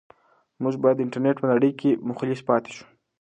موږ باید د انټرنيټ په نړۍ کې مخلص پاتې شو.